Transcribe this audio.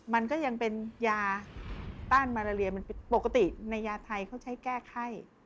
มันก็ยังเป็นยาต้านมาลาเรียมันปกติในยาไทยเขาใช้แก้ไข้